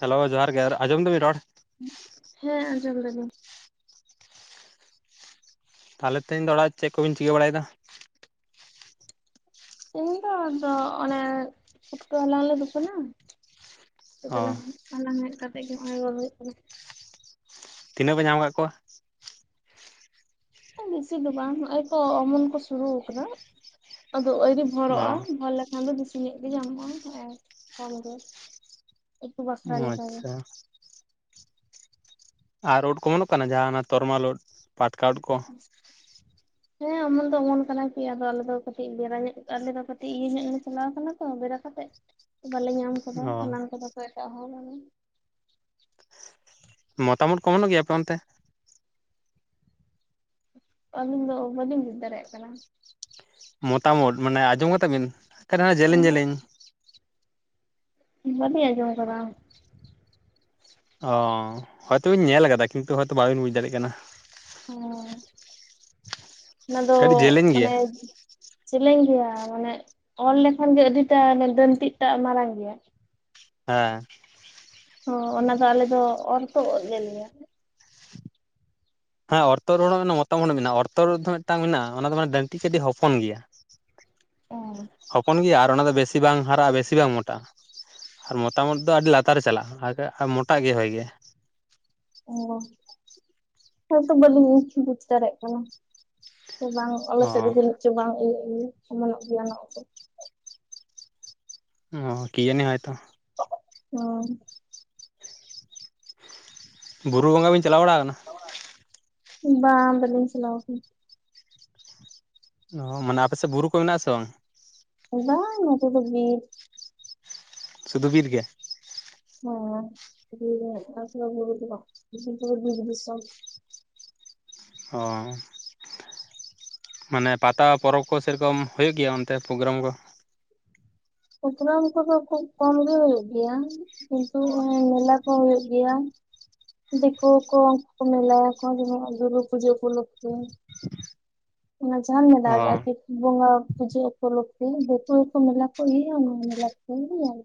Hello ᱡᱚᱦᱟᱨ ᱜᱮ ᱟᱨ ᱟᱡᱚᱢ ᱫᱟᱵᱤᱱ ᱨᱚᱲ ᱦᱮᱸ ᱟᱸᱡᱚᱢ ᱫᱟᱹᱞᱤᱧ ᱛᱟᱦᱟᱞᱮ ᱛᱮᱧ ᱚᱲᱟ ᱪᱮᱫ ᱠᱚ ᱵᱤᱱ ᱪᱤᱠᱟᱹ ᱵᱟᱲᱟᱭᱮᱫᱟ? ᱤᱱ ᱫᱚ ᱟᱫᱚ ᱚᱱᱮ ᱯᱷᱩᱴᱠᱟᱹ ᱦᱟᱞᱟᱝ ᱞᱮ ᱩᱰᱩᱠ ᱠᱟᱱᱟ। ᱚ ᱟᱞᱟᱝ ᱟᱞᱟᱝ ᱦᱮᱡ ᱠᱟᱛᱮ ᱜᱮ ᱱᱚᱜ-ᱚᱭ ᱜᱚᱞ ᱦᱩᱭᱩᱜ ᱠᱟᱱᱟ। ᱛᱤᱱᱟᱹᱜ ᱯᱮ ᱧᱟᱢ ᱟᱠᱟᱫ ᱠᱚᱣᱟ? ᱵᱮᱥᱤ ᱫᱚ ᱵᱟᱝ ᱱᱚᱜ-ᱚᱭ ᱛᱚ ᱚᱢᱚᱱ ᱠᱚ ᱥᱩᱨᱩ ᱟᱠᱟᱫᱟ ᱟᱫᱚ ᱟᱭᱨᱤ ᱚ ᱦᱚᱲᱚᱜ-ᱟ ᱦᱚᱲ ᱞᱮᱠᱷᱟᱱ ᱫᱚ ᱵᱮᱥᱤ ᱧᱚᱜ ᱜᱮ ᱧᱟᱢᱚᱜ-ᱟ ᱱᱚᱜ-ᱚᱭ ᱠᱚᱢ ᱜᱮ। ᱩᱛᱩ ᱵᱟᱠᱷᱨᱟ ᱞᱮᱠᱟ ᱜᱮ। ᱟᱪᱪᱷᱟ ᱟᱨ ᱩᱫ ᱠᱚ ᱚᱢᱱᱚᱜ ᱠᱟᱱᱟ? ᱡᱟᱦᱟᱸᱱᱟᱜ ᱛᱚᱨᱢᱟᱞ ᱩᱫ ᱯᱟᱴᱠᱟ ᱩᱫ ᱠᱚ। [inaudible] ᱦᱮᱸ ᱚᱢᱚᱱ ᱫᱚ ᱚᱢᱚᱱ ᱠᱟᱱᱟ ᱠᱤ ᱟᱫᱚ ᱟᱞᱮ ᱫᱚ ᱠᱟᱹᱴᱤᱡ ᱵᱮᱲᱟ ᱧᱚᱜ ᱟᱞᱮ ᱫᱚ ᱠᱟᱹᱴᱤᱡ ᱤᱭᱟᱹ ᱧᱚᱜ ᱞᱮ ᱪᱟᱞᱟᱣ ᱟᱠᱟᱱᱟ ᱛᱚ ᱛᱚ ᱵᱮᱲᱟ ᱠᱟᱛᱮᱫ ᱵᱟᱞᱮ ᱧᱟᱢ ᱟᱠᱟᱫᱟ ᱚ ᱦᱟᱞᱟᱝ ᱠᱟᱫᱟ ᱠᱚ ᱮᱴᱟᱜ ᱦᱚᱲ ᱟᱫᱚ ᱢᱚᱛᱟᱢ ᱩᱫ ᱠᱚ ᱚᱢᱚᱱᱚᱜ ᱜᱮᱭᱟ ᱟᱯᱮ ᱚᱱᱛᱮ? ᱟᱞᱤᱧ ᱫᱚ ᱵᱟᱞᱤᱧ ᱵᱩᱡᱽ ᱫᱟᱲᱮᱭᱟᱜ ᱠᱟᱱᱟ। ᱢᱚᱛᱟᱢ ᱚᱛ ᱢᱟᱱᱮ ᱟᱸᱡᱚᱢ ᱠᱟᱛᱟ ᱵᱤᱱ? ᱡᱮᱞᱮᱧ ᱡᱮᱞᱮᱧ। ᱵᱟᱞᱤᱧ ᱟᱸᱡᱚᱢ ᱟᱠᱟᱫᱟ। ᱚ ᱦᱚᱭᱛᱚ ᱵᱤᱱ ᱧᱮᱞ ᱟᱠᱟᱫᱟ ᱠᱤᱱᱛᱩ ᱦᱚᱭᱛᱚ ᱵᱟᱵᱤᱱ ᱵᱩᱡᱽ ᱫᱟᱲᱮᱭᱟᱜ ᱠᱟᱱᱟ। ᱦᱮᱻ ᱚᱱᱟ ᱫᱚ ᱠᱟᱹᱴᱤᱡ ᱡᱮᱞᱮᱧ ᱜᱮᱭᱟ ᱢᱟᱱᱮ ᱪᱮᱞᱮᱧ ᱜᱮᱭᱟ ᱢᱟᱱᱮ ᱚᱞ ᱞᱮᱠᱷᱟᱱ ᱜᱮ ᱟᱹᱰᱤᱴᱟ ᱫᱟᱹᱱᱰᱤᱴᱟᱜ ᱢᱟᱨᱟᱝ ᱜᱮᱭᱟ। ᱦᱮᱸ ᱚᱻ ᱚᱱᱟ ᱫᱚ ᱟᱞᱮ ᱫᱚ ᱚᱨ ᱛᱚᱜ ᱩᱫ ᱞᱮ ᱞᱮᱭᱟ। ᱦᱮᱸ ᱚᱨᱛᱚ ᱨᱚᱲ ᱦᱚᱸ ᱢᱚᱛᱟᱢ ᱩᱫ ᱢᱮᱱᱟᱜ-ᱟ ᱚᱨᱛᱚ ᱨᱚᱲ ᱫᱚ ᱢᱤᱫᱴᱟᱝ ᱢᱮᱱᱟᱜ-ᱟ ᱚᱱᱟ ᱫᱚ ᱢᱟᱱᱮ ᱰᱟᱹᱱᱴᱤ ᱠᱟᱹᱴᱤᱡ ᱦᱚᱯᱚᱱ ᱜᱮᱭᱟ। ᱦᱚᱯᱚᱱ ᱜᱮᱭᱟ ᱟᱨ ᱚᱱᱟ ᱫᱚ ᱵᱮᱥᱤ ᱵᱟᱝ ᱦᱟᱨᱟᱜ-ᱟ ᱵᱮᱥᱤ ᱵᱟᱝ ᱢᱚᱴᱟᱜ-ᱟ। ᱟᱨ ᱢᱚᱛᱟᱢ ᱩᱫ ᱫᱚ ᱟᱹᱰᱤ ᱞᱟᱛᱟᱨ ᱨᱮ ᱪᱟᱞᱟᱜ-ᱟ ᱟᱨ ᱢᱚᱴᱟᱜ ᱜᱮᱭᱟ ᱦᱳᱭ ᱜᱮ। ᱚ ᱦᱳᱭᱛᱚ ᱵᱟᱹᱞᱤᱧ [unintelligible] ᱵᱩᱡᱽ ᱫᱟᱲᱭᱟᱜ ᱠᱟᱱᱟ ᱥᱮ ᱵᱟᱝ ᱟᱞᱮ ᱥᱮᱫ ᱨᱮ ᱚ ᱫᱚ ᱱᱤᱡ [unintelligible] ᱪᱚᱝ ᱵᱟᱝ ᱤᱭᱟᱹ ᱜᱮᱭᱟ ᱚᱢᱚᱱᱚᱜ ᱜᱮᱭᱟ ᱱᱚᱜ [unintelligible] ᱚᱻ ᱠᱤ ᱡᱟᱹᱱᱤ ᱦᱚᱭ ᱛᱚ। ᱦᱩᱸ ᱵᱩᱨᱩ ᱵᱚᱸᱜᱟ ᱵᱤᱱ ᱪᱟᱞᱟᱣ ᱵᱟᱲᱟ ᱠᱟᱱᱟ? ᱵᱟᱝ ᱵᱟᱞᱤᱧ ᱪᱟᱞᱟᱣ ᱠᱟᱱᱟ। ᱚᱻ ᱢᱟᱱᱮ ᱟᱯᱮᱥᱮᱫ ᱵᱩᱨᱩ ᱠᱚ ᱢᱮᱱᱟᱜᱼᱟ ᱥᱮ ᱵᱟᱝ? ᱵᱟᱝ ᱱᱚᱛᱮ ᱫᱚ ᱵᱤᱨ। ᱥᱩᱫᱷᱩ ᱵᱤᱨ ᱜᱮ? ᱦᱮᱸ ᱵᱤᱨ ᱜᱮ ᱦᱟᱸᱜ [inaudible] ᱵᱤᱨ ᱫᱤᱥᱚᱢ। ᱦᱚᱸ ᱢᱟᱱᱮ ᱯᱟᱛᱟ ᱯᱚᱨᱚᱵᱽ ᱠᱚ ᱥᱮᱨᱚᱠᱚᱢ ᱦᱩᱭᱩᱜ ᱜᱮᱭᱟ ᱚᱱᱛᱮ ᱯᱨᱳᱜᱨᱟᱢ ᱠᱚ? ᱯᱨᱳᱜᱨᱟᱢ ᱠᱚ ᱫᱚ ᱠᱷᱩᱵ ᱠᱚᱢ ᱜᱮ ᱦᱩᱭᱩᱜ ᱜᱮᱭᱟ। ᱠᱤᱱᱛᱩ ᱱᱚᱜᱼᱚᱭ ᱢᱮᱞᱟ ᱠᱚ ᱦᱳᱭᱳᱜ ᱜᱮᱭᱟ। ᱫᱮᱠᱚ ᱠᱚ ᱢᱮᱞᱟ ᱭᱟᱠᱚ ᱡᱮᱢᱚᱱ ᱱᱚᱜᱼᱚᱭ ᱜᱩᱨᱜ ᱯᱩᱡᱟᱹ ᱩᱯᱚᱞᱚᱠᱽᱠᱷᱮ। ᱚᱱᱟ ᱡᱷᱟᱢ ᱢᱮᱞᱟ ᱚ ᱟᱨᱠᱤ ᱵᱚᱸᱜᱟ ᱯᱩᱡᱟᱹ ᱩᱯᱚᱞᱚᱠᱽᱠᱷᱮ ᱵᱮᱠᱩ ᱠᱚ ᱢᱮᱞᱟ ᱠᱚ ᱤᱭᱟᱹ ᱭᱟ ᱢᱮᱞᱟ ᱠᱚᱨᱮ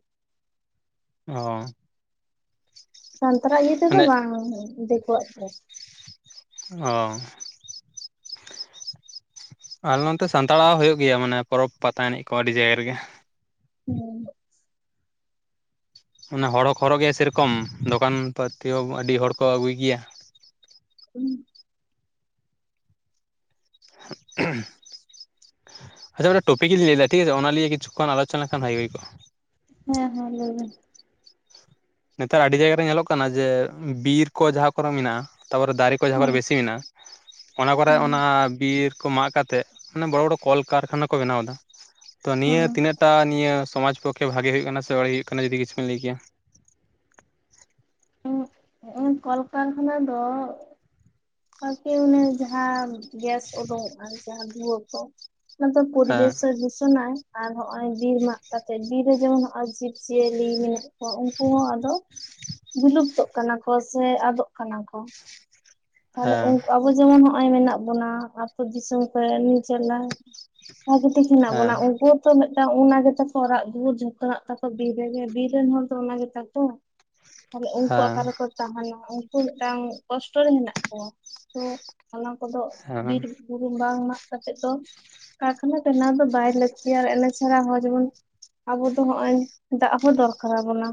ᱚᱻ ᱥᱟᱱᱛᱟᱲᱟᱜ ᱤᱭᱟᱹ ᱛᱮᱫᱚ ᱢᱟᱱᱮ ᱵᱟᱝ᱾ ᱫᱤᱠᱩᱣᱟᱜ ᱜᱮ᱾ ᱚ ᱟᱨ ᱱᱚᱛᱮ ᱥᱟᱱᱛᱟᱲᱟᱜ ᱦᱩᱭᱩᱜ ᱜᱮᱭᱟ ᱢᱟᱱᱮ ᱯᱚᱨᱚᱵᱽ ᱯᱟᱛᱟ ᱮᱱᱮᱡ ᱠᱚ ᱟᱹᱰᱤ ᱡᱟᱭᱜᱟ ᱨᱮᱜᱮ। ᱦᱩᱸ ᱚᱱᱟ ᱦᱚᱲ ᱦᱚᱸ ᱦᱚᱨᱚᱜ ᱜᱮᱭᱟ ᱥᱮᱨᱚᱠᱚᱢ ᱫᱚᱠᱟᱱ ᱯᱟᱹᱛᱤ ᱦᱚᱸ ᱟᱹᱰᱤ ᱦᱚᱲ ᱠᱚ ᱟᱹᱜᱩᱭ ᱜᱮᱭᱟ। [inaudible] [inaudible] ᱟᱪᱪᱷᱟ ᱢᱤᱫᱴᱟᱝ ᱴᱚᱯᱤᱠ ᱤᱧ ᱞᱟᱹᱭᱮᱫᱟ ᱴᱷᱤᱠ ᱟᱪᱷᱮ ᱚᱱᱟ ᱞᱤᱭᱟᱹ ᱠᱤᱪᱷᱩ ᱠᱷᱚᱱ ᱟᱞᱚᱪᱚᱱᱟ ᱞᱮᱠᱷᱟᱱ ᱵᱷᱟᱜᱮ ᱠᱚᱼᱟ ᱦᱮᱸ ᱦᱮᱸ ᱞᱟᱹᱭᱵᱤᱱ ᱱᱮᱛᱟᱨ ᱟᱹᱰᱤ ᱡᱟᱭᱜᱟ ᱨᱮ ᱧᱮᱞᱚᱜ ᱠᱟᱱᱟ ᱡᱮ ᱵᱤᱨ ᱠᱚ ᱡᱟᱦᱟᱸ ᱠᱚᱨᱮ ᱢᱮᱱᱟᱜᱼᱟ ᱛᱟᱯᱚᱨᱮ ᱫᱟᱨᱮ ᱠᱚ ᱡᱟᱦᱟᱸ ᱠᱚᱨᱮ ᱦᱩᱸ ᱵᱮᱥᱤ ᱢᱮᱱᱟᱜᱼᱟ ᱚᱱᱟ ᱠᱚᱨᱮ ᱚᱱᱟ ᱵᱤᱨ ᱠᱚ ᱢᱟᱜ ᱠᱟᱛᱮᱫ ᱢᱟᱱᱮ ᱵᱚᱲᱚ ᱵᱚᱲᱚ ᱠᱚᱞᱠᱟᱨᱠᱷᱟᱱᱟ ᱠᱚ ᱵᱮᱱᱟᱣ ᱫᱟ ᱛᱚ ᱱᱤᱭᱟᱹ ᱦᱩᱸ ᱛᱤᱱᱟᱹᱜᱴᱟ ᱱᱤᱭᱟᱹ ᱥᱚᱢᱟᱡᱽ ᱯᱚᱠ ᱠᱷᱮ ᱵᱷᱟᱜᱮ ᱦᱩᱭᱩᱜ ᱠᱟᱱᱟ ᱥᱮ ᱵᱟᱹᱲᱤᱡ ᱦᱩᱭᱩᱜ ᱡᱩᱫᱤ ᱠᱤᱪᱷᱩ ᱵᱤᱱ ᱞᱟᱹᱭ ᱠᱮᱭᱟ᱾ ᱩᱢ ᱩᱢ ᱠᱚᱞᱠᱟᱨᱠᱷᱟᱱᱟ ᱫᱚ ᱟᱨᱠᱤ ᱚᱱᱮ ᱡᱟᱦᱟᱸ ᱜᱮᱥ ᱩᱰᱩᱧᱚᱜᱼᱟ ᱡᱟᱦᱟᱸ ᱫᱷᱩᱶᱟᱹ ᱠᱚ ᱚᱱᱟᱫᱚ ᱦᱮᱸ ᱯᱚᱨᱤᱵᱮᱥ ᱮ ᱫᱩᱥᱚᱱᱟᱭ ᱟᱨ ᱦᱚᱸᱜ-ᱚᱭ ᱵᱤᱨ ᱢᱟᱜ ᱠᱟᱛᱮᱜ ᱵᱤᱨ ᱨᱮ ᱡᱮᱢᱚᱱ ᱱᱚᱜ-ᱚᱭ ᱡᱤᱵᱽ-ᱡᱤᱭᱟᱹᱞᱤ ᱢᱮᱱᱟᱜ ᱠᱚᱣᱟ ᱩᱱᱠᱩ ᱦᱚᱸ ᱟᱫᱚ ᱵᱤᱞᱩᱯᱛᱚᱜ ᱠᱟᱱᱟ ᱠᱚ ᱥᱮ ᱟᱫᱚᱜ ᱠᱟᱱᱟ ᱠᱚ ᱼᱼ ᱛᱟᱦᱟᱞᱮ ᱦᱮᱸ ᱟᱵᱚ ᱡᱮᱢᱚᱱ ᱱᱚᱜᱚᱭ ᱢᱮᱱᱟᱜ ᱵᱚᱱᱟ ᱟᱹᱛᱩ ᱫᱤᱥᱚᱢ ᱠᱚ ᱨᱮ ᱱᱤᱡᱟᱞᱟ। ᱵᱷᱟᱜᱮ ᱴᱷᱤᱠ ᱦᱮᱱᱟᱜ ᱵᱚᱱᱟ᱾ ᱩᱱᱠᱩ ᱛᱚ ᱢᱤᱫᱴᱟᱝ ᱚᱱᱟ ᱜᱮᱛᱚ ᱠᱚ ᱚᱲᱟᱜ ᱫᱩᱣᱟᱨ ᱡᱷᱚᱛᱚ ᱦᱟᱸᱜ ᱛᱟᱠᱚ ᱵᱤᱨ ᱨᱮᱜᱮ ᱵᱤᱨ ᱨᱮᱱ ᱦᱚᱲᱚ ᱫᱚ ᱚᱱᱟ ᱜᱮᱛᱟ ᱠᱚ᱾ ᱛᱟᱦᱚᱞᱮ ᱩᱱᱠᱩ ᱚᱠᱟ ᱦᱮᱸ ᱨᱮᱠᱚ ᱛᱟᱦᱮᱱᱟ ᱩᱱᱠᱩ ᱢᱤᱫᱴᱟᱝ ᱠᱚᱥᱴᱚ ᱨᱮ ᱦᱮᱱᱟᱜᱮ ᱠᱚᱣᱟ ᱛᱚ᱾ ᱚᱱᱟ ᱠᱚᱫᱚ ᱦᱮᱸ ᱦᱮᱸ ᱵᱤᱨ ᱵᱩᱨᱩ ᱵᱟᱝ ᱢᱟᱜ ᱠᱟᱛᱮᱫ ᱫᱚ ᱠᱟᱨᱠᱷᱟᱱᱟ ᱵᱮᱱᱟᱣ ᱫᱚ ᱵᱟᱭ ᱞᱟᱹᱠᱛᱤᱭᱟ ᱟᱨ ᱮᱱᱟ ᱪᱷᱟᱲᱟ ᱦᱚᱸ ᱡᱮᱢᱚᱱ ᱟᱵᱚ ᱫᱚ ᱦᱚᱜᱼᱚᱭ ᱫᱟᱜ ᱦᱚᱸ ᱫᱚᱨᱠᱟᱨ ᱟᱵᱚᱱᱟ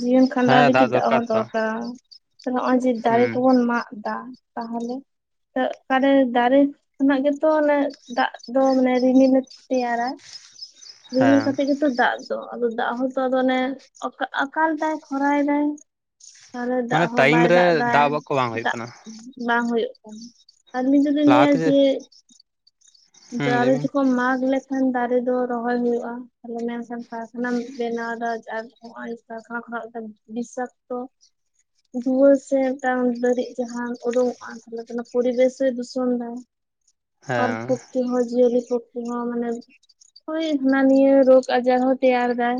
ᱡᱤᱭᱚᱱ ᱠᱷᱟᱸᱰᱟᱣ ᱦᱮᱸ ᱞᱟᱹᱜᱤᱫ ᱫᱟᱜ ᱫᱚᱨᱠᱟᱨ ᱦᱚᱸ ᱛᱚ ᱫᱚᱨᱠᱟᱨᱟ ᱛᱮ ᱱᱚᱜ-ᱚᱭ ᱡᱮ ᱫᱟᱨᱮ ᱦᱩᱸ ᱠᱚᱵᱚᱱ ᱢᱟᱜ ᱫᱟᱜ ᱛᱟᱦᱚᱞᱮ ᱛᱚᱜ ᱠᱟᱨᱮ ᱫᱟᱨᱮ ᱠᱷᱚᱱᱟᱜ ᱜᱮᱛᱚ ᱚᱱᱮ ᱫᱟᱜ ᱫᱚ ᱢᱟᱱᱮ ᱨᱤᱢᱤᱞᱮ ᱛᱮᱭᱟᱨᱟ ᱨᱤᱢᱤᱞ ᱦᱮᱸ ᱠᱟᱛᱮᱜ ᱜᱮᱛᱚ ᱫᱟᱜ ᱫᱚ ᱟᱫᱚ ᱫᱟᱜ ᱦᱚᱸᱛᱚ ᱟᱫᱚ ᱚᱱᱮ ᱟᱠᱟᱞ ᱫᱟᱭ ᱠᱷᱚᱨᱟᱭ ᱫᱟᱭ ᱛᱟᱦᱚᱞᱮ ᱫᱟᱜ ᱢᱟᱱᱮ ᱦᱚᱸ ᱴᱟᱭᱤᱢ ᱵᱟᱭ ᱨᱮ ᱫᱟᱜ ᱫᱟᱭ ᱠᱚ ᱵᱟᱝ ᱦᱩᱭᱩᱜ ᱫᱟᱜ ᱠᱟᱱᱟ ᱵᱟᱝ ᱦᱩᱭᱩᱜ ᱠᱟᱱᱟ ᱟᱹᱞᱤᱧ ᱫᱚᱞᱤᱧ ᱞᱟᱹᱭ-ᱟ ᱞᱟᱦᱟᱛᱮ ᱡᱮ ᱦᱩᱸ ᱫᱟᱨᱮ ᱞᱟᱹᱭᱵᱤᱱ ᱡᱚᱠᱷᱚᱱ ᱢᱟᱜ ᱞᱮ ᱠᱷᱟᱱ ᱫᱟᱨᱮ ᱫᱚ ᱨᱚᱦᱚᱭ ᱦᱩᱳᱩᱜᱼᱟ ᱛᱟᱦᱚᱞᱮ ᱢᱮᱱᱠᱷᱟᱱ ᱠᱟᱨᱠᱷᱟᱱᱟᱢ ᱵᱮᱱᱟᱣ ᱫᱟ ᱱᱚᱜ-ᱚᱭ ᱠᱟᱨᱠᱷᱟᱱᱟ ᱠᱷᱚᱱᱟᱜ ᱢᱤᱫᱴᱟᱝ ᱵᱤᱥᱟᱠᱛᱚ ᱫᱩᱣᱟᱹᱨ ᱥᱮ ᱢᱤᱫᱴᱟᱝ ᱫᱟᱹᱨᱤᱡ ᱡᱟᱦᱟᱸ ᱩᱰᱩᱝᱚᱜᱼᱟ [unintelligible] ᱯᱚᱨᱵᱮᱥ ᱮ ᱫᱩᱥᱚᱱ ᱫᱟ ᱦᱮᱸ ᱛᱤ ᱦᱚᱸ ᱡᱤᱭᱟᱹᱞᱤ [unintelligible] ᱱᱚᱣᱟ ᱢᱟᱱᱮ ᱦᱳᱭ ᱦᱟᱱᱟ ᱱᱤᱭᱟᱹ ᱨᱳᱜᱽ ᱟᱡᱟᱨ ᱦᱚᱸ ᱛᱮᱭᱟᱨ ᱫᱟᱭ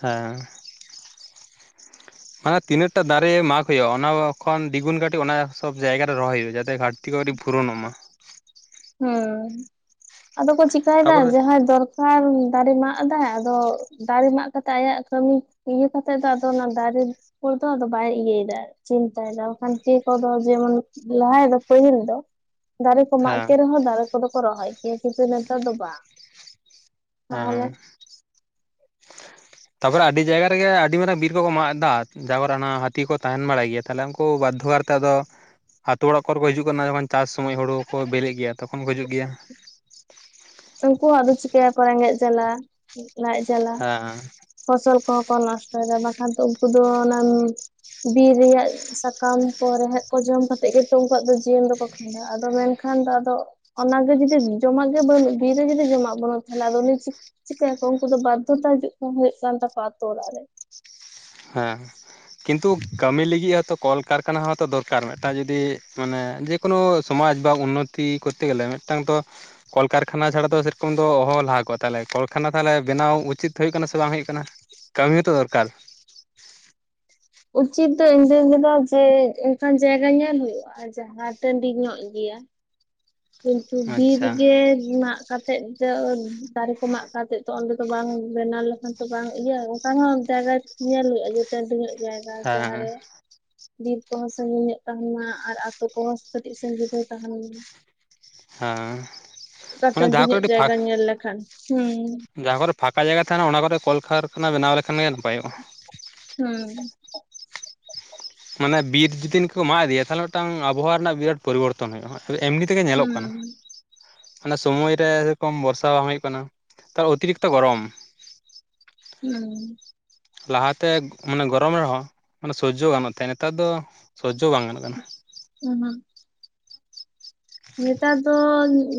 ᱦᱮᱸ ᱢᱟᱱᱮ ᱛᱤᱱᱟᱹᱜ ᱴᱟ ᱫᱟᱨᱮ ᱢᱟᱜᱽ ᱦᱩᱭᱩᱜᱼᱟ ᱚᱱᱟ ᱠᱷᱚᱱ ᱫᱤᱜᱩᱱ ᱠᱟᱹᱴᱤᱡ ᱚᱱᱟ ᱥᱚᱵ ᱡᱟᱭᱜᱟ ᱨᱮ ᱨᱚᱦᱚᱭ ᱦᱩᱭᱩᱜᱼᱟ ᱡᱟᱛᱮ ᱜᱷᱟᱴ᱾ ᱛᱤ ᱯᱷᱩᱨᱚᱱᱚᱜ ᱢᱟ᱾ ᱦᱮᱸ ᱟᱫᱚ ᱠᱚ ᱪᱤᱠᱟᱭᱫᱟ ᱛᱟᱯᱚᱨᱮ ᱡᱟᱦᱟᱸᱭ ᱫᱚᱨ ᱠᱟᱨ ᱫᱟᱨᱮ ᱢᱟᱜ ᱫᱟᱭ ᱟᱫᱚ ᱫᱟᱨᱮ ᱢᱟᱜ ᱠᱟᱛᱮᱜ ᱟᱭᱟᱜ ᱠᱟᱹᱢᱤ ᱤᱭᱟᱹ ᱠᱟᱛᱮᱜ ᱫᱚ ᱟᱫᱚ ᱚᱱᱟ ᱫᱟᱨᱮ ᱫᱚ ᱟᱫᱚ ᱵᱟᱭ ᱤᱭᱟᱹᱭᱮᱫᱟ᱾ ᱪᱤᱱᱛᱟᱭᱫᱟ ᱵᱟᱠᱷᱟᱱ ᱠᱮᱹ ᱠᱚᱫᱚ ᱡᱮᱢᱚᱱ ᱞᱟᱦᱟᱭ ᱫᱚ ᱯᱟᱹᱦᱤᱞ ᱫᱚ ᱫᱟᱨᱮ ᱠᱚ ᱢᱟᱜ ᱦᱮᱸ ᱠᱮᱫ ᱨᱮᱦᱚᱸ ᱫᱟᱨᱮ ᱠᱚᱫᱚ ᱠᱚ ᱨᱚᱦᱚᱭ ᱜᱮᱭᱟ ᱠᱤᱱᱛᱩ ᱱᱮᱛᱟᱨ ᱫᱚ ᱵᱟᱝ᱾ ᱛᱟᱦᱚᱞᱮ ᱦᱮᱸ ᱛᱟᱯᱚᱨᱮ ᱟᱹᱰᱤ ᱡᱟᱭᱜᱟ ᱨᱮᱜᱮ ᱟᱹᱰᱤ ᱢᱟᱨᱟᱝ ᱵᱤᱨ ᱠᱚᱠᱚ ᱢᱟᱜ ᱮᱫᱟ ᱛᱟᱯᱚᱨ ᱚᱱᱟ ᱦᱟᱹᱛᱤ ᱠᱚ ᱛᱟᱦᱮᱱ ᱵᱟᱲᱟᱭ ᱜᱮᱭᱟ ᱛᱟᱦᱚᱞᱮ ᱩᱱᱠᱩ ᱵᱟᱫᱽᱫᱷᱚ ᱠᱟᱨᱛᱮ ᱟᱫᱚ ᱟᱛᱳ ᱚᱲᱟᱜ ᱠᱚᱨᱮ ᱠᱚ ᱦᱤᱡᱩᱜ ᱠᱟᱱᱟ ᱡᱚᱠᱷᱚᱱ ᱪᱟᱥ ᱥᱚᱢᱚᱭ ᱦᱩᱲᱩ ᱠᱚ ᱵᱮᱞᱮᱜ ᱜᱮᱭᱟ ᱛᱚᱠᱷᱚᱱ ᱠᱚ ᱦᱤᱡᱩᱜ ᱜᱮᱭᱟ᱾ ᱩᱱᱠᱩ ᱟᱫᱚ ᱪᱤᱠᱟᱹᱭᱟᱠᱚ ᱨᱮᱸᱜᱮᱡ ᱡᱟᱞᱟ ᱞᱟᱡ ᱡᱟᱞᱟ ᱦᱮᱸ ᱯᱷᱚᱥᱚᱞ ᱠᱚᱦᱚᱸ ᱠᱚ ᱱᱚᱥᱴᱚᱭᱮᱫᱟ ᱵᱟᱝᱠᱷᱟᱱ ᱛᱚ ᱩᱱᱠᱩ ᱫᱚ ᱚᱱᱟ ᱵᱤᱨ ᱨᱮᱭᱟᱜ ᱥᱟᱠᱟᱢ ᱠᱚ ᱨᱮᱦᱮᱫ ᱠᱚ ᱡᱚᱢ ᱠᱟᱛᱮᱜ ᱜᱮᱛᱚ ᱩᱱᱠᱩᱣᱟᱜ ᱫᱚ ᱡᱤᱭᱚᱱ ᱫᱚᱠᱚ ᱠᱷᱟᱸᱰᱟᱣ-ᱟ ᱟᱫᱚ ᱢᱮᱱᱠᱷᱟᱱ ᱫᱚ ᱟᱫᱚ ᱚᱱᱟᱜᱮ ᱡᱩᱫᱤ ᱡᱚᱢᱟᱜ ᱜᱮ ᱵᱟᱹᱱᱩᱜ ᱵᱤᱨ ᱨᱮ ᱡᱩᱫᱤ ᱡᱚᱢᱟᱜ ᱵᱟᱹᱱᱩᱜ ᱛᱟᱦᱞᱮ ᱟᱫᱚ ᱩᱱᱤ ᱪᱤ [unintelligible] ᱪᱤᱠᱟᱹᱭᱟᱠᱚ ᱩᱱᱠᱩ ᱫᱚ ᱵᱟᱫᱽᱫᱷᱚᱛᱟ ᱦᱤᱡᱩᱜ ᱜᱮ ᱦᱩᱭᱩᱜ ᱠᱟᱱ ᱛᱟᱠᱚᱣᱟ ᱟᱛᱳ ᱚᱲᱟᱜ ᱨᱮ᱾ ᱦᱮᱸ ᱠᱤᱱᱛᱩ ᱠᱟᱹᱢᱤ ᱞᱟᱹᱜᱤᱫ ᱦᱚᱛᱚ ᱠᱚᱞᱠᱟᱨᱠᱷᱟᱱᱟ ᱦᱚᱭᱛᱚ ᱫᱚᱨᱠᱟᱨ ᱢᱤᱫᱴᱟᱝ ᱡᱩᱫᱤ ᱢᱟᱱᱮ ᱠᱳᱱᱳ ᱥᱚᱢᱟᱡᱽ ᱵᱟ ᱩᱱᱱᱚᱛᱤ ᱠᱚᱨᱛᱮ ᱜᱮᱞᱮ ᱢᱤᱫᱴᱟᱝ ᱫᱚ ᱠᱚᱞᱠᱟᱨᱠᱷᱟᱱᱟ ᱪᱷᱟᱲᱟ ᱫᱚ ᱥᱮᱨᱚᱠᱚᱢ ᱫᱚ ᱚᱦᱚ ᱞᱟᱦᱟ ᱠᱚᱜ-ᱟ ᱛᱟᱦᱚᱞᱮ ᱠᱚᱞᱠᱷᱟᱱᱟ ᱛᱟᱦᱚᱞᱮ ᱵᱮᱱᱟᱣ ᱩᱪᱤᱛ ᱦᱩᱭᱩᱜ ᱠᱟᱱᱟ ᱥᱮ ᱵᱟᱝ ᱦᱩᱭᱩᱜ ᱠᱟᱱᱟ᱾ ᱠᱟᱹᱢᱤ ᱦᱚᱸᱛᱚ ᱫᱚᱨᱠᱟᱨ᱾ ᱩᱪᱤᱛ ᱫᱚ ᱤᱧ ᱫᱩ ᱞᱮᱫᱟ ᱡᱮ ᱚᱱᱠᱟᱱ ᱡᱟᱭᱜᱟ ᱧᱮᱞ ᱦᱩᱭᱩᱜ-ᱟ᱾ ᱡᱟᱦᱟᱸ ᱴᱟᱺᱰᱤ ᱧᱚᱜ ᱜᱮᱭᱟ ᱠᱤᱱᱛᱩ ᱵᱤᱨ ᱟᱪᱪᱷᱟ ᱜᱮ ᱨᱮᱱᱟᱜ ᱠᱟᱛᱮᱫ ᱫᱚ ᱫᱟᱨᱮ ᱠᱚ ᱢᱟᱜ ᱠᱟᱛᱮ ᱛᱚ ᱚᱸᱰᱮ ᱫᱚ ᱵᱟᱝ ᱵᱮᱱᱟᱣ ᱞᱮᱠᱷᱟᱱ ᱛᱚ ᱵᱟᱝ ᱤᱭᱟᱹ ᱚᱱᱠᱟ ᱦᱚᱸ ᱡᱟᱭᱜᱟ ᱧᱮᱞ ᱦᱩᱭᱩᱜ-ᱟ ᱡᱮ ᱴᱟᱺᱰᱤ ᱧᱚᱜ ᱡᱟᱭᱜᱟ ᱦᱮᱸ ᱡᱟᱦᱟᱸᱨᱮ᱾ ᱵᱤᱨ ᱠᱚᱦᱚᱸ ᱥᱟᱺᱜᱤᱧ ᱧᱚᱜ ᱛᱟᱦᱮᱱ ᱢᱟ ᱟᱨ ᱟᱛᱳ ᱠᱚᱦᱚᱸ ᱠᱟᱹᱴᱤᱡ ᱥᱟᱺᱜᱤᱧ ᱨᱮ ᱛᱟᱦᱮᱱ᱾ ᱦᱮᱸ ᱚᱱᱠᱟ ᱢᱟᱱᱮ ᱴᱺᱰᱤ ᱡᱟᱦᱟᱸ ᱠᱚᱨᱮ ᱧᱚᱜ ᱟᱹᱰᱤ ᱯᱷᱟᱸᱠ ᱡᱟᱭᱜᱟ ᱧᱮᱞ ᱞᱮᱠᱷᱟᱱ ᱦᱩ ᱡᱟᱦᱟᱸ ᱠᱚᱨᱮ ᱯᱷᱟᱸᱠᱟ ᱡᱟᱭᱜᱟ ᱛᱟᱦᱮᱱᱟ ᱚᱱᱟ ᱠᱚᱨᱮ ᱠᱚᱞᱠᱟᱨᱠᱷᱟᱱᱟ ᱵᱮᱱᱟᱣ ᱞᱮᱠᱷᱟᱱ ᱜᱮ ᱱᱟᱯᱟᱭᱚᱜᱼᱟ᱾ ᱦᱩᱸ ᱢᱟᱱᱮ ᱵᱤᱨ ᱡᱮᱫᱤᱱ ᱠᱚ ᱢᱟᱜ ᱤᱫᱤᱭᱟ ᱛᱟᱦᱚᱞᱮ ᱢᱤᱫᱴᱟᱝ ᱟᱵᱚᱦᱟᱣᱟ ᱨᱮᱱᱟᱜ ᱵᱤᱨᱟᱴ ᱯᱚᱨᱤᱵᱚᱨᱛᱚᱱ ᱦᱩᱭᱩᱜ-ᱟ ᱮᱢᱱᱤ ᱛᱮᱜᱮ ᱧᱮᱞᱚᱜ ᱠᱟᱱᱟ᱾ ᱦᱩᱸ ᱚᱱᱟ ᱥᱚᱢᱚᱭ ᱨᱮ ᱥᱮᱨᱚᱠᱚᱢ ᱵᱚᱨᱥᱟ ᱵᱟᱝ ᱦᱩᱭᱩᱜ ᱠᱟᱱᱟ ᱛᱟᱨ ᱚᱛᱤᱨᱤᱠᱛᱚ ᱜᱚᱨᱚᱢ᱾ ᱦᱮᱸ ᱞᱟᱦᱟᱛᱮ ᱢᱟᱱᱮ ᱜᱚᱨᱚᱢ ᱨᱮᱦᱚᱸ ᱢᱟᱱᱮ ᱥᱚᱡᱡᱚ ᱜᱟᱱᱚᱜ ᱛᱟᱦᱮᱸᱜ ᱱᱮᱛᱟᱨ ᱫᱚ ᱥᱚᱡᱡᱚ ᱵᱟᱝ ᱜᱟᱱᱚᱜ ᱠᱟᱱᱟᱹ᱾ ᱦᱩᱸ ᱱᱮᱛᱟᱨ ᱫᱚ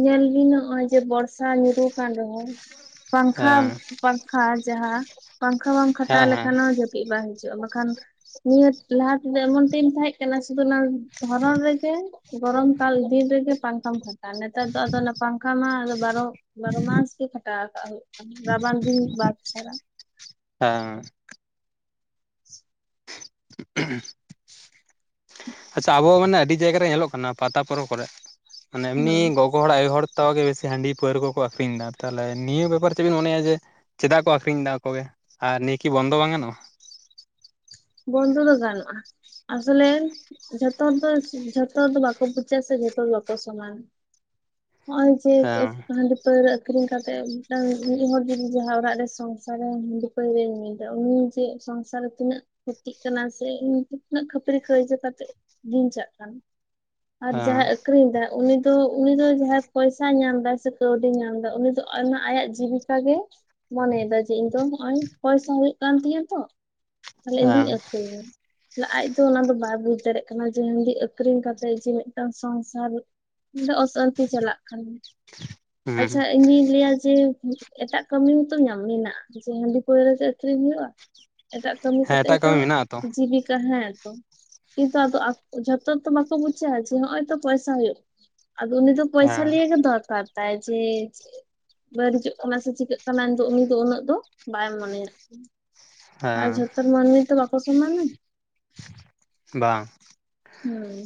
ᱧᱮᱞ ᱵᱤᱱᱱᱚᱜᱚᱭ ᱡᱮ ᱵᱚᱨᱥᱟ ᱧᱩᱨᱩ ᱠᱟᱱ ᱨᱮᱦᱚᱸ ᱯᱟᱝᱠᱷᱟ ᱦᱮᱸ ᱯᱟᱝᱠᱷᱟ ᱡᱟᱦᱟᱸ ᱯᱟᱸᱠᱷᱟ ᱵᱟᱢ ᱦᱮᱸ ᱠᱷᱟᱴᱟᱣ ᱦᱮᱸ ᱞᱮᱠᱷᱟᱱᱚᱣ ᱡᱟᱯ ᱵᱟ ᱦᱤᱡᱩᱜ-ᱟ ᱵᱟᱠᱷᱟᱱ ᱱᱤᱭᱟᱹ ᱞᱟᱦᱟ ᱛᱮᱫᱚ ᱮᱢᱚᱱ ᱫᱤᱱ ᱛᱟᱦᱮᱸ ᱠᱟᱱᱟ ᱥᱩᱫᱩ ᱚᱱᱟ ᱫᱷᱚᱨᱚᱱ ᱨᱮᱜᱮ ᱜᱚᱨᱚᱢ ᱠᱟᱞ ᱫᱤᱱ ᱨᱮ᱾ ᱜᱮ ᱯᱟᱝᱠᱷᱟᱢ ᱠᱷᱟᱴᱟᱜ-ᱟ ᱱᱮᱛᱟᱨ ᱫᱚ ᱟᱫᱚ ᱯᱟᱝᱠᱷᱟ ᱢᱟ ᱵᱟᱨᱚ ᱵᱟᱨᱚ ᱢᱟᱥ ᱜᱮ ᱠᱷᱟᱴᱟᱣ ᱠᱟᱜ ᱦᱩᱭᱩᱜ-ᱟ ᱨᱟᱵᱟᱝ ᱫᱤᱱ ᱵᱟᱫᱪᱷᱟᱲᱟ᱾ ᱦᱮᱸ [unintelligible] [unintelligible] ᱟᱪᱪᱷᱟ ᱟᱵᱚ ᱢᱟᱱᱮ ᱟᱹᱰᱤ ᱡᱟᱭᱜᱟ ᱨᱮ ᱧᱮᱞᱚᱜ ᱠᱟᱱᱟ ᱯᱟᱛᱟ ᱯᱚᱨᱚᱵᱽ ᱠᱚᱨᱮ ᱢᱟᱱᱮ ᱮᱢᱱᱤ ᱦᱩᱸ ᱜᱚᱜᱚ ᱦᱚᱲ ᱟᱭᱳ ᱦᱚᱲ ᱡᱚᱛᱟᱣ ᱜᱮ ᱵᱮᱥᱤ ᱦᱟᱺᱰᱤ ᱯᱟᱹᱣᱨᱟᱹ ᱠᱚᱠᱚ ᱟᱹᱠᱷᱨᱤᱧ ᱮᱫᱟ ᱛᱟᱦᱚᱞᱮ ᱱᱤᱭᱟᱹ ᱵᱮᱯᱟᱨ ᱪᱮᱫᱵᱮᱱ ᱢᱚᱱᱮᱭᱟ ᱡᱮ ᱪᱮᱫᱟᱜ ᱠᱚ ᱟᱠᱷᱨᱤᱧ ᱮᱫᱟ ᱟᱠᱚᱜᱮ ᱟᱨ ᱱᱤᱭᱟᱹᱠᱤ ᱵᱚᱱᱫᱚ ᱵᱟᱝ ᱜᱟᱱᱚᱜ-ᱟ ᱵᱚᱱᱫᱚ ᱫᱚ ᱜᱟᱱᱚᱜ-ᱟ ᱟᱥᱚᱞᱮᱱ ᱡᱷᱚᱛᱚ ᱫᱚ ᱡᱷᱚᱛᱚ ᱫᱚ ᱵᱟᱠᱚ ᱯᱩᱪᱟ ᱥᱮ ᱡᱷᱚᱛᱚ ᱫᱚ ᱵᱟᱠᱚ ᱥᱚᱢᱟᱱ [unintelligible] ᱱᱚᱜ ᱦᱮᱸ ᱚᱭ ᱡᱮ ᱯᱟᱹᱣᱨᱟᱹ ᱟᱠᱷᱨᱤᱧ ᱠᱟᱛᱮᱫ ᱢᱤᱫᱴᱟᱝ ᱢᱤᱫ ᱦᱚᱲ ᱡᱩᱫᱤ ᱡᱟᱦᱟᱸ ᱚᱲᱟᱜ ᱨᱮ ᱥᱚᱝᱥᱟᱨ ᱨᱮ ᱦᱟᱺᱰᱤ ᱯᱟᱹᱣᱨᱟᱹᱭ ᱧᱩᱭ ᱫᱟ ᱩᱱᱤ ᱡᱮ ᱥᱚᱝᱥᱟᱨ ᱨᱮ ᱛᱤᱱᱟᱹᱜ ᱠᱷᱚᱛᱤᱜ ᱠᱟᱱᱟ ᱥᱮ ᱛᱤᱱᱟᱹᱜ ᱠᱷᱟᱹᱯᱟᱹᱨᱤ ᱠᱟᱹᱭᱡᱟᱹ ᱠᱟᱛᱮᱜ ᱫᱤᱱ ᱪᱟᱜ ᱠᱟᱱᱟ ᱟᱨ ᱡᱟᱦᱟᱭ ᱦᱮᱸ ᱟᱹᱠᱷᱨᱤᱧ ᱫᱟ ᱩᱱᱤ ᱫᱚ ᱩᱱᱤ ᱫᱚ ᱡᱟᱦᱟᱸᱭ ᱯᱚᱭᱥᱟᱭ ᱧᱟᱢ ᱫᱟ ᱥᱮ ᱠᱟᱹᱣᱰᱤᱭ ᱧᱟᱢ ᱮᱫᱟ ᱩᱱᱤ ᱫᱚ ᱚᱱᱟ ᱟᱭᱟᱜ ᱡᱤᱵᱤᱠᱟ ᱜᱮ ᱢᱚᱱᱮ ᱫᱚ ᱪᱮᱫ ᱤᱧ ᱫᱚ ᱱᱚᱜᱼᱚᱭ ᱯᱚᱭᱥᱟ ᱦᱩᱭᱩᱜ ᱠᱟᱱ ᱛᱤᱧᱟᱹ ᱛᱚ ᱛᱟᱦᱞᱮ ᱤᱧ ᱦᱮᱸ ᱫᱚᱧ ᱟᱹᱠᱷᱨᱤᱧ ᱟᱡ ᱫᱚ ᱚᱱᱟ ᱫᱚ ᱵᱟᱭ ᱵᱩᱡ ᱫᱟᱲᱮᱭᱟᱜ ᱠᱟᱱᱟ ᱡᱮ ᱦᱟᱺᱰᱤ ᱟᱹᱠᱷᱨᱤᱧ ᱠᱟᱛᱮ ᱡᱮ ᱢᱤᱫᱴᱟᱱ ᱥᱚᱝᱥᱟᱨ ᱤᱧ ᱫᱚ ᱚᱥᱟᱱᱛᱤ ᱪᱟᱞᱟᱜ ᱠᱟᱱᱟ ᱦᱩᱸ ᱟᱪᱪᱷᱟ ᱤᱧᱤᱧ ᱞᱟᱹᱭᱟ ᱡᱮ ᱮᱴᱟᱜ ᱠᱟᱹᱢᱤ ᱦᱚᱸᱛᱚ ᱢᱮᱱᱟᱜ-ᱟ ᱡᱮ ᱦᱟᱺᱰᱤ ᱯᱟᱹᱣᱨᱟᱹ ᱟᱹᱠᱷᱨᱤᱧ ᱦᱩᱭᱩᱜ-ᱟ ᱮᱴᱟᱜ ᱠᱟᱹᱢᱤ ᱦᱮᱸ ᱮᱴᱟᱜ ᱠᱟᱛᱮᱜ ᱛᱚ ᱠᱟᱹᱢᱤ ᱢᱮᱱᱟᱜ ᱟᱛᱚ ᱡᱤᱵᱤᱠᱟ ᱦᱮᱸᱛᱚ ᱠᱤᱱᱛᱩ ᱡᱷᱚᱛᱚ ᱛᱚ ᱵᱟᱠᱚ ᱵᱩᱡᱟ ᱡᱮ ᱱᱚᱜ ᱚᱭ ᱛᱚ ᱯᱚᱭᱥᱟ ᱦᱩᱭᱩᱜ ᱟᱫᱚ ᱩᱱᱤ ᱫᱚ ᱯᱚᱭᱥᱟ ᱦᱮᱸ ᱞᱤᱹᱭᱮᱹ ᱜᱮ ᱫᱚᱨᱠᱟᱨ ᱛᱟᱭ ᱡᱮ ᱵᱟᱹᱲᱤᱡ-ᱚᱜ ᱠᱟᱱᱟ ᱥᱮ ᱪᱤᱠᱟᱹᱜ ᱠᱟᱱᱟ [inaudible] ᱩᱱᱤ ᱫᱚ ᱩᱱᱟᱹᱜ ᱫᱚ ᱵᱟᱭ ᱢᱚᱱᱮᱨᱟ ᱟᱨ ᱦᱮᱸ ᱡᱷᱚᱛᱚᱨ ᱢᱟᱹᱱᱢᱤ ᱛᱚ ᱵᱟᱝᱠᱚ ᱥᱚᱢᱟᱱ ᱵᱟᱝ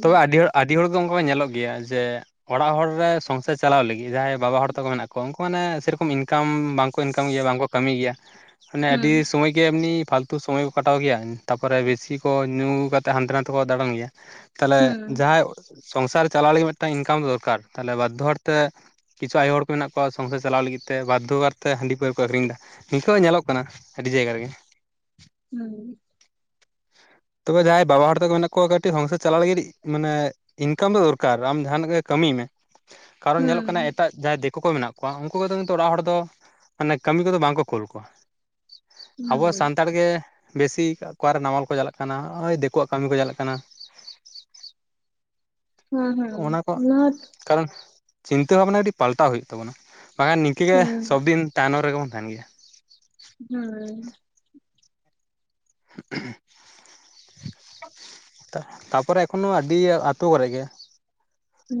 ᱛᱚᱵᱮ ᱟᱹᱰᱤ ᱦᱚᱲ ᱟᱹᱰᱤ ᱦᱚᱲ ᱫᱚ ᱚᱱᱠᱟ ᱠᱚ ᱧᱮᱞᱚᱜ ᱜᱮᱭᱟ ᱡᱮ ᱚᱲᱟᱜ ᱦᱚᱲ ᱨᱮ ᱥᱚᱝᱥᱟᱨ ᱪᱟᱞᱟᱣ ᱞᱟᱹᱜᱤᱫ ᱡᱟᱦᱟᱸᱭ ᱵᱟᱵᱟ ᱦᱚᱲ ᱛᱟᱠᱚ ᱢᱮᱱᱟᱜ ᱠᱚᱣᱟ ᱩᱱᱠᱩ ᱢᱟᱱᱮ ᱥᱮᱨᱚᱠᱚᱢ ᱤᱱᱠᱟᱢ ᱵᱟᱝ ᱠᱚ ᱤᱱᱠᱟᱢ ᱜᱮᱭᱟ ᱵᱟᱝ ᱠᱚ ᱠᱟᱹᱢᱤ ᱜᱮᱭᱟ ᱢᱟᱱᱮ ᱟᱹᱰᱤ ᱦᱩᱸ ᱥᱚᱢᱚᱭ ᱜᱮ ᱮᱢᱱᱤ ᱯᱷᱟᱞᱛᱩ ᱥᱚᱢᱚᱭ ᱠᱚ ᱠᱟᱴᱟᱣ ᱜᱮᱭᱟ ᱛᱟᱯᱚᱨᱮ ᱵᱮᱥᱤ ᱠᱚ ᱧᱩ ᱠᱟᱛᱮᱫ ᱦᱟᱱᱛᱮ ᱱᱟᱛᱮ ᱠᱚ ᱫᱟᱬᱟᱱ ᱜᱮᱭᱟ ᱛᱟᱞᱮ ᱦᱩᱸ ᱡᱟᱦᱟᱸᱭ ᱥᱚᱝᱥᱟᱨ ᱪᱟᱞᱟᱣ ᱞᱟᱹᱜᱤᱫ ᱢᱤᱫᱴᱟᱝ ᱤᱱᱠᱟᱢ ᱫᱚᱨᱠᱟᱨ ᱛᱟᱦᱞᱮ ᱵᱟᱫᱽᱫᱷᱚ ᱦᱚᱲ ᱛᱮ ᱠᱤᱪᱷᱩ ᱟᱭᱳ ᱦᱚᱲ ᱠᱚ ᱢᱮᱱᱟᱜ ᱠᱚᱣᱟ ᱥᱚᱝᱥᱟᱨ ᱪᱟᱞᱟᱣ ᱞᱟᱹᱜᱤᱫ ᱛᱮ ᱵᱟᱫᱽᱫᱷᱚ ᱠᱟᱨ ᱛᱮ ᱦᱟᱺᱰᱤ ᱯᱟᱹᱣᱟᱹ ᱠᱚ ᱟᱠᱷᱨᱤᱧ ᱮᱫᱟ ᱱᱤᱝᱠᱟᱹ ᱦᱚᱸ ᱧᱮᱞᱚᱜ ᱠᱟᱱᱟ ᱟᱹᱰᱤ ᱡᱟᱭᱜᱟ ᱨᱮ ᱜᱮ ᱦᱩᱸ ᱛᱚᱵᱮ ᱡᱟᱦᱟᱸᱭ ᱵᱟᱵᱟ ᱦᱚᱲ ᱛᱟᱠᱚ ᱢᱮᱱᱟᱜ ᱠᱚᱣᱟ ᱠᱟᱹᱴᱤᱡ ᱦᱚᱝᱥᱟᱨ ᱪᱟᱞᱟᱣ ᱞᱟᱹᱜᱤᱫ ᱢᱟᱱᱮ ᱤᱱᱠᱟᱢ ᱫᱚ ᱫᱚᱨᱠᱟᱨ ᱟᱢ ᱡᱟᱦᱟᱱᱟᱜ ᱜᱮ ᱠᱟᱹᱢᱤᱭ ᱢᱮ ᱠᱟᱨᱚᱱ ᱧᱮᱞᱚᱜ ᱠᱟᱱᱟ ᱦᱩᱸ ᱮᱴᱟᱜ ᱡᱟᱦᱟᱸᱭ ᱫᱤᱠᱩ ᱠᱚ ᱢᱮᱱᱟᱜ ᱠᱚ ᱩᱱᱠᱩ ᱠᱚᱫᱚ ᱠᱤᱱᱛᱩ ᱚᱲᱟᱜ ᱦᱚᱲ ᱫᱚ ᱢᱟᱱᱮ ᱠᱟᱹᱢᱤ ᱠᱚᱫᱚ ᱵᱟᱝ ᱠᱚ ᱠᱳᱞ ᱠᱚᱣᱟ ᱟᱵᱚ ᱦᱩᱸ ᱥᱟᱱᱛᱟᱲ ᱜᱮ ᱵᱮᱥᱤ ᱠᱚᱣᱟᱨᱮ ᱱᱟᱢᱟᱞ ᱠᱚ ᱪᱟᱞᱟᱜ ᱠᱟᱱᱟ ᱠᱟᱱᱟ ᱱᱚᱜ ᱚᱭ ᱫᱤᱠᱩᱣᱟᱜ ᱠᱟᱹᱢᱤ ᱠᱚ ᱪᱟᱞᱟᱜ ᱠᱟᱱᱟ᱾ ᱦᱩᱸ ᱦᱩᱸ ᱚᱱᱟ ᱠᱚ ᱱᱚᱴ ᱠᱟᱨᱚᱱ ᱪᱤᱱᱛᱟᱹ ᱵᱷᱟᱵᱱᱟ ᱟᱹᱰᱤ ᱯᱟᱞᱴᱟᱣ ᱦᱩᱭᱩᱜ ᱛᱟᱵᱚᱱᱟ ᱵᱟᱝᱼᱟ ᱱᱤᱝᱠᱟᱹ ᱜᱮ ᱦᱩᱸ ᱥᱚᱵᱫᱤᱱ ᱛᱟᱭᱱᱚᱢ ᱨᱮ ᱜᱮ ᱵᱚᱱ ᱛᱟᱦᱮᱱ ᱜᱮᱭᱟ ᱦᱩᱸ [inaudible] ᱛᱟᱯᱚᱨᱮ ᱮᱠᱷᱚᱱᱳ ᱟᱹᱰᱤ ᱟᱛᱩ ᱨᱮ ᱜᱮ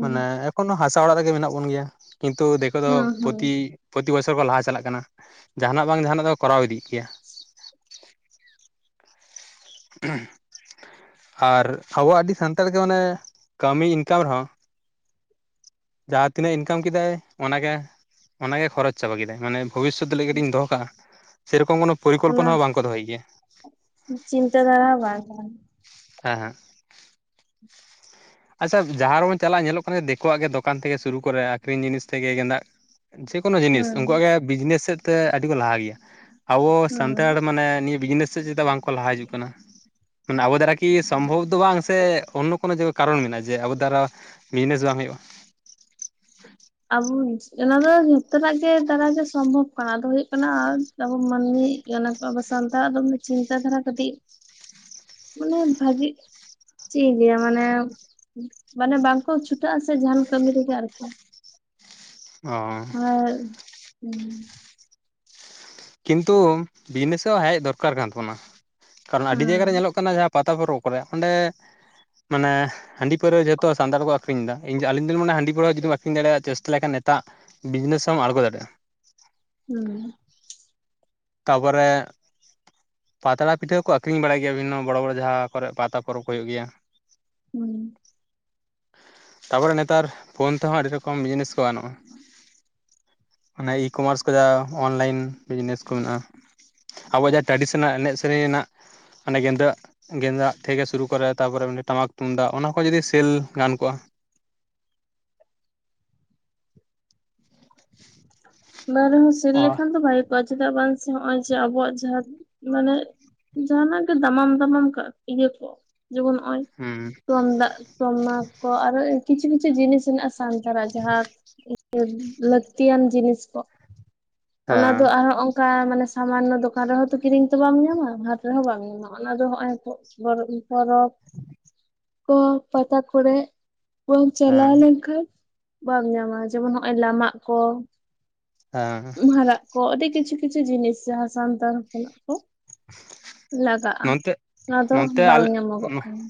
ᱢᱟᱱᱮ ᱮᱠᱷᱚᱱᱳ ᱦᱟᱥᱟ ᱚᱲᱟᱜ ᱨᱮ ᱜᱮ ᱢᱮᱱᱟᱜ ᱵᱚᱱ ᱜᱮᱭᱟ ᱠᱤᱱᱛᱩ ᱫᱮᱠᱳ ᱫᱚ ᱦᱩᱸ ᱯᱚᱛᱤ ᱦᱩᱸ ᱯᱨᱚᱛᱤ ᱵᱚᱪᱷᱚᱨ ᱠᱚ ᱞᱟᱦᱟ ᱪᱟᱞᱟᱜ ᱠᱟᱱᱟ ᱡᱟᱦᱟᱱᱟᱜ ᱵᱟᱝ ᱡᱟᱦᱟᱱᱟᱜ ᱫᱚ ᱠᱚᱨᱟᱣ ᱤᱫᱤᱭᱮᱜ ᱜᱮᱭᱟ [inaudible] [unintelligible] ᱟᱨ ᱟᱵᱚ ᱟᱹᱰᱤ ᱥᱟᱱᱛᱟᱲ ᱜᱮ ᱢᱚᱱᱮ ᱠᱟᱹᱢᱤ ᱤᱱᱠᱟᱢ ᱨᱮᱦᱚᱸ ᱡᱟᱦᱟᱸ ᱛᱤᱱᱟᱹᱜ ᱤᱱᱠᱟᱢ ᱠᱮᱫᱟᱭ ᱚᱱᱟᱜᱮ ᱚᱱᱟᱜᱮ ᱠᱷᱚᱨᱚᱪ ᱪᱟᱵᱟ ᱠᱮᱫᱟᱭ ᱢᱟᱱᱮ ᱵᱷᱚᱵᱤᱥᱚᱛ ᱞᱟᱹᱜᱤᱫ ᱤᱧ ᱫᱚᱦᱚ ᱠᱟᱜᱼᱟ, ᱥᱮᱨᱚᱠᱚᱢ ᱚᱱᱟ ᱯᱚᱨᱤᱠᱚᱞᱯᱚᱱᱟ ᱦᱚᱸ ᱵᱟᱝᱠᱚ ᱫᱚᱦᱚᱭ ᱜᱮᱭᱟ ᱪᱤᱱᱛᱟᱹ ᱫᱷᱟᱨᱟ ᱵᱟᱝ ᱠᱟᱱᱟ ᱦᱮᱸ ᱦᱮᱸ ᱟᱪᱪᱷᱟ ᱡᱟᱦᱟᱸ ᱨᱮᱵᱚᱱ ᱪᱟᱞᱟᱜᱼᱟ ᱧᱮᱞᱚᱜ ᱠᱟᱱᱟ ᱫᱤᱠᱩᱣᱟᱜ ᱜᱮ ᱫᱚᱠᱟᱱ ᱛᱷᱮᱠᱮ ᱥᱩᱨᱩ ᱠᱚᱨᱮ ᱟᱠᱷᱨᱤᱧ ᱡᱤᱱᱤᱥ ᱛᱮᱜᱮ ᱜᱮ ᱱᱟᱦᱟᱜ ᱡᱮᱠᱳᱱᱳ ᱡᱤᱱᱤᱥ ᱦᱩᱸ ᱩᱱᱠᱩᱣᱟᱜ ᱜᱮ ᱵᱤᱡᱽᱱᱮᱥ ᱥᱮᱫ ᱛᱮ ᱟᱹᱰᱤ ᱠᱚ ᱞᱟᱦᱟ ᱜᱮᱭᱟ ᱟᱵᱚ ᱦᱩᱸ ᱥᱟᱱᱛᱟᱲ ᱢᱟᱱᱮ ᱱᱤᱭᱟᱹ ᱵᱤᱡᱽᱱᱮᱥ ᱥᱮᱫ ᱪᱮᱫᱟᱜ ᱵᱟᱝᱠᱚ ᱞᱟᱦᱟ ᱦᱤᱡᱩᱜ ᱠᱟᱱᱟ ᱢᱟᱱᱮ ᱟᱵᱚ ᱫᱟᱨᱟ ᱠᱤ ᱥᱚᱢᱵᱷᱚᱵᱽ ᱫᱚ ᱵᱟᱝ ᱥᱮ ᱚᱱᱱᱚ ᱠᱳᱱᱳ ᱡᱚ ᱠᱟᱨᱚᱱ ᱢᱮᱱᱟᱜᱼᱟ ᱡᱮ ᱟᱵᱚ ᱫᱟᱨᱟ ᱵᱤᱡᱱᱮᱥ ᱵᱟᱝ ᱦᱩᱭᱩᱜᱼᱟ ᱟᱵᱚ ᱚᱱᱟ ᱫᱚ ᱡᱚᱛᱚ ᱦᱚᱨᱟᱜ ᱜᱮ ᱫᱟᱨᱟᱭᱮ ᱥᱚᱢᱵᱷᱚᱵ ᱠᱟᱱᱟ ᱟᱫᱚ ᱦᱩᱭᱩᱜ ᱠᱟᱱᱟ ᱟᱵᱚ ᱢᱟᱹᱱᱢᱤ [unintelligible] ᱟᱵᱚ ᱥᱟᱱᱛᱟᱲ ᱫᱚ ᱪᱤᱱᱛᱟ ᱫᱷᱟᱨᱟ ᱠᱟᱹᱴᱤᱡ ᱢᱟᱱᱮ ᱵᱷᱟᱜᱤ ᱪᱮᱫ ᱤᱧ ᱞᱮᱭᱟ ᱢᱟᱱᱮ ᱢᱟᱱᱮ ᱵᱟᱝᱠᱚ ᱪᱷᱩᱴᱟ ᱥᱮ ᱡᱟᱦᱟᱱ ᱠᱟᱹᱢᱤ ᱨᱮᱜ ᱟᱨ ᱠᱤ [inaudible] [unintelligible] ᱠᱤᱱᱛᱩ ᱵᱤᱡᱱᱮᱥ ᱨᱮ ᱦᱚᱸ ᱦᱮᱡ ᱫᱚᱨᱠᱟᱨ ᱠᱟᱱ ᱛᱟᱵᱚᱱᱟ ᱠᱟᱨᱚᱱ ᱟᱹᱰᱤ ᱡᱟᱭᱜᱟᱨ ᱨᱮ ᱦᱩᱸ ᱧᱮᱞᱚᱜ ᱠᱟᱱᱟ ᱡᱟᱦᱟᱸ ᱯᱟᱛᱟ ᱯᱚᱨᱚᱵ ᱠᱚᱨᱮ ᱚᱸᱰᱮ ᱢᱟᱱᱮ ᱦᱟᱺᱰᱤ ᱯᱟᱹᱣᱨᱟᱹ ᱡᱚᱛᱚ ᱥᱟᱱᱛᱟᱲ ᱠᱚ ᱟᱹᱷᱨᱤᱧ ᱫᱟᱜ ᱟᱞᱤᱧ ᱫᱚ ᱞᱤᱧ ᱢᱚᱱ ᱦᱟᱺᱰᱤ ᱯᱟᱹᱣᱨᱟᱹ ᱡᱩᱫᱤᱢ ᱟᱹᱠᱷᱨᱤ ᱫᱟᱲᱮᱭᱟᱜ ᱪᱮᱥᱴᱟ ᱞᱮᱠᱷᱟᱱ ᱱᱮᱛᱟᱜ ᱵᱤᱡᱽᱱᱮᱥᱮ ᱦᱚᱢ ᱟᱸᱬᱜᱳ ᱫᱟᱲᱮᱭᱟᱜᱼᱟ ᱦᱩᱸ ᱛᱟᱯᱚᱨᱮ ᱯᱟᱛᱲᱟ ᱯᱤᱴᱷᱟᱹ ᱠᱚ ᱟᱠᱷᱨᱤᱧ ᱵᱟᱲᱟᱭ ᱜᱮᱭᱟ ᱵᱤᱵᱷᱚᱱᱱᱚ ᱵᱚᱲᱚ ᱵᱚᱲᱚ ᱡᱟᱦᱟᱸ ᱠᱚᱨᱮ ᱯᱟᱛᱟ ᱯᱚᱨᱚᱵ ᱠᱚ ᱦᱩᱭᱩᱜ ᱜᱮᱭᱟ ᱦᱩᱸ ᱛᱟᱨᱯᱚᱨᱮ ᱱᱮᱛᱟᱨ ᱯᱷᱳᱱ ᱛᱮ ᱦᱚᱸ ᱟᱹᱰᱤ ᱨᱚᱠᱚᱢ ᱡᱤᱱᱤᱥ ᱠᱚ ᱜᱟᱱᱚᱜᱼᱟ ᱚᱱᱮ ᱤᱠᱚᱢᱟᱨᱥ ᱠᱚ ᱡᱟ ᱚᱱᱞᱟᱭᱤᱱ ᱵᱤᱡᱽᱱᱮᱥ ᱠᱚ ᱢᱮᱱᱟᱜᱼᱟ, ᱟᱵᱚᱣᱟᱜ ᱡᱟᱦᱟᱸ ᱴᱨᱟᱰᱤᱥᱚᱱᱟᱞ ᱮᱱᱮᱡ ᱥᱮᱨᱮᱧ ᱨᱮᱱᱟᱜ ᱚᱱᱮ ᱜᱮᱸᱫᱟᱜ ᱜᱮᱸᱫᱟᱜ ᱛᱷᱮᱠᱮ ᱥᱩᱨᱩ ᱠᱚᱨᱮ ᱛᱟᱨᱯᱚᱨᱮ ᱚᱸᱰᱮ ᱴᱟᱢᱟᱠ ᱛᱩᱢᱫᱟᱜ ᱚᱱᱟ ᱠᱚᱦᱚ ᱡᱩᱫᱤ ᱥᱮᱞ ᱜᱟᱱ ᱠᱚᱜᱼᱟ, ᱵᱟᱝ ᱨᱮᱦᱚ ᱥᱮᱱ ᱚ ᱞᱮᱠᱷᱟᱱ ᱫᱚ ᱵᱷᱟᱜᱮ ᱠᱚᱜᱼᱟ ᱪᱮᱫᱟᱜ ᱵᱟᱝ ᱥᱮ ᱦᱚᱜᱼᱚᱭ ᱡᱮ ᱟᱵᱚᱣᱟᱜ ᱡᱟᱦᱟᱸ ᱢᱟᱱᱮ ᱡᱟᱦᱟᱱᱟᱜ ᱜᱮ ᱫᱟᱢᱟᱢ ᱫᱟᱢᱟᱢ ᱠᱟᱜ ᱤᱭᱟᱹ ᱠᱚ ᱡᱮᱢᱚᱱ ᱱᱚᱜ-ᱚᱭ, ᱦᱩᱸ ᱛᱩᱢᱫᱟᱜ ᱴᱟᱢᱟᱠ ᱠᱚ ᱟᱨ ᱦᱚ ᱠᱤᱪᱷᱩ ᱠᱤᱪᱷᱩ ᱡᱤᱱᱤᱥ ᱦᱮᱱᱟᱜ-ᱟ ᱥᱮ, ᱥᱟᱱᱛᱟᱲᱟᱜ ᱡᱟᱦᱟᱸ ᱞᱟᱹᱠᱛᱤᱭᱟᱱ ᱡᱤᱱᱤᱥ ᱠᱚ, ᱚᱱᱟ ᱫᱚ ᱦᱮᱸ ᱟᱨᱦᱚᱸ ᱚᱱᱠᱟ ᱢᱟᱱᱮ ᱥᱟᱢᱟᱱᱱᱚ ᱫᱚᱠᱟᱱ ᱨᱮᱦᱚᱸ ᱛᱚ ᱠᱤᱨᱤᱧ ᱛᱚ ᱵᱟᱢ ᱧᱟᱢᱟ ᱦᱟᱴ ᱨᱮᱦᱚᱸ ᱵᱟᱢ ᱧᱟᱢᱟ, ᱱᱚᱜ-ᱚᱭ ᱱᱚᱣᱟ ᱫᱚ ᱱᱚᱜᱼᱚᱭ ᱱᱤᱛᱚᱜ ᱯᱚᱨᱚᱵᱽ ᱠᱚ ᱯᱟᱛᱟ ᱠᱚᱨᱮ, ᱵᱟᱢ ᱦᱮᱸ ᱪᱟᱞᱟᱣ ᱞᱮᱱᱠᱷᱟᱱ ᱵᱟᱢ ᱧᱟᱢᱟ ᱡᱮᱢᱚᱱ ᱦᱚᱜ-ᱚᱭ [unintelligible] ᱠᱚ, ᱦᱮᱸ ᱢᱟᱦᱟᱨᱟᱜ ᱠᱚ ᱟᱹᱰᱤ ᱠᱤᱪᱷᱩ ᱠᱤᱪᱷᱩ ᱡᱤᱱᱤᱥ ᱡᱟᱦᱟᱸ ᱥᱟᱱᱛᱟᱲ ᱦᱚᱯᱚᱱᱟᱜ ᱠᱚ ᱞᱟᱜᱟᱜᱼᱟ ᱱᱚᱱᱛᱮ ᱚᱱᱟ ᱫᱚ ᱱᱚᱛᱮ ᱵᱟᱝ ᱟᱞᱮ ᱧᱟᱢᱚᱜᱚᱜ ᱠᱟᱱᱟ